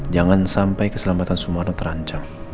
jangan sampai keselamatan sumarno terancam